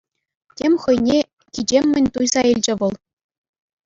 Тем хӑйне кичеммӗн туйса илчӗ вӑл.